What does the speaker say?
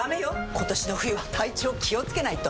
今年の冬は体調気をつけないと！